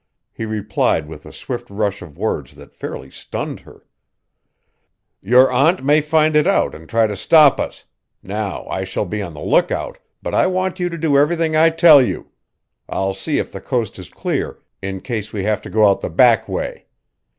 He replied with a swift rush of words that fairly stunned her: "Your aunt may find it out and try to stop us. Now I shall be on the lookout, but I want you to do everything I tell you I'll see if the coast is clear in case we have to go out the back way.